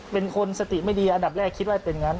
เป็นคนสติไม่ดีอันดับแรกคิดว่าเป็นงั้น